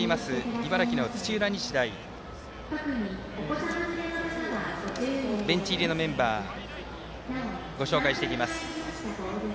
茨城、土浦日大のベンチ入りメンバーをご紹介していきます。